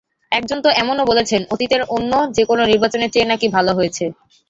একজন তো এমনও বলেছেন, অতীতের অন্য যেকোনো নির্বাচনের চেয়ে নাকি ভালো হয়েছে।